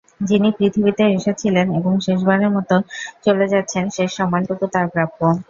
যিনি পৃথিবীতে এসেছিলেন এবং শেষবারের মতো চলে যাচ্ছেন, শেষ সম্মানটুকু তাঁর প্রাপ্য।